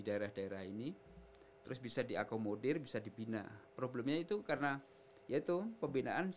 daerah daerah ini terus bisa diakomodir bisa dibina problemnya itu karena yaitu pembinaan